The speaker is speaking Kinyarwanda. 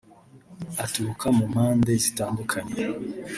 aturuka mu mpande zitandukanye